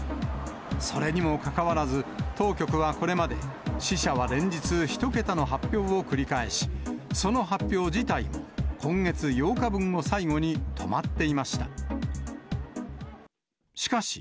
それにもかかわらず、当局はこれまで死者は連日１桁の発表を繰り返し、その発表自体も、今月８日分を最後に止まっていました。